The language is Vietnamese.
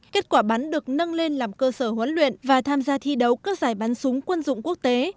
kết quả bắn được nâng lên làm cơ sở huấn luyện và tham gia thi đấu các giải bắn súng quân dụng quốc tế